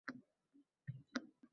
Qog`ozga tushirish esa kasb